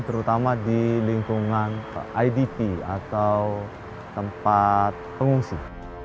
terutama di lingkungan idp atau tempat pengungsi